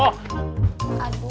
pak d kemana sih daaah